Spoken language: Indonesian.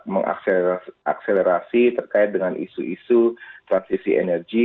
mengakselerasi terkait dengan isu isu transisi energi